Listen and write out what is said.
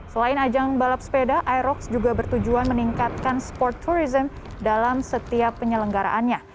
selain ajang balap sepeda irox juga bertujuan meningkatkan sport tourism dalam setiap penyelenggaraannya